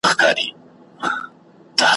نه استاد وي نه منطق نه هندسه وي `